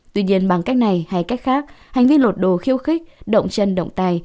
tuy nhiên bằng cách này hay cách khác hành vi lột đồ khiêu khích động chân động tay